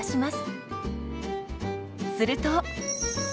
すると。